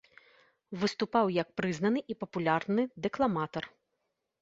Выступаў як прызнаны і папулярны дэкламатар.